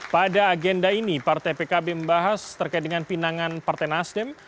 pada agenda ini partai pkb membahas terkait dengan pinangan partai nasdem